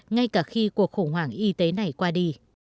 ngay cả khi cuộc khủng hoảng y tế này qua đi